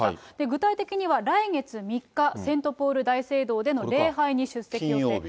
具体的には来月３日、セントポール大聖堂での礼拝に出席予定。